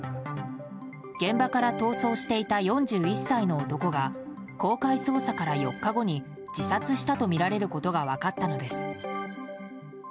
現場から逃走していた４１歳の男が公開捜査から４日後に自殺したとみられることが分かったのです。